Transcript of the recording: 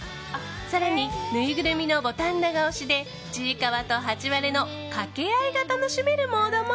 更にぬいぐるみのボタン長押しでちいかわとハチワレの掛け合いが楽しめるモードも。